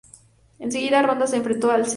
En segunda ronda se enfrentó al St.